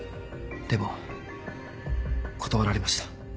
でも断られました。